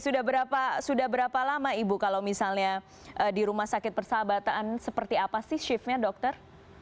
sudah berapa lama ibu kalau misalnya di rumah sakit persahabatan seperti apa sih shiftnya dokter